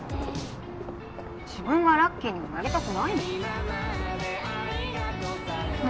自分がラッキーにはなりたくないのかな。